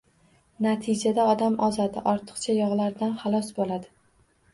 Natijada odam ozadi, ortiqcha yog‘lardan xalos bo‘ladi.